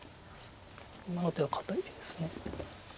今の手は堅い手です。